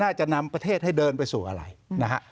จะนำประเทศให้เดินไปสู่อะไรนะฮะ